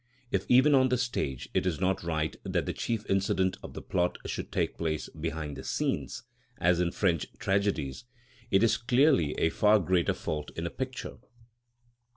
If even on the stage it is not right that the chief incident of the plot should take place behind the scenes (as in French tragedies), it is clearly a far greater fault in a picture.